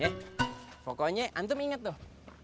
eh pokoknya antum inget tuh